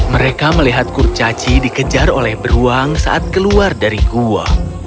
mereka melihat kurcaci dikejar oleh beruang saat keluar dari gua